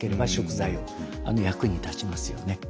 役に立ちますよね。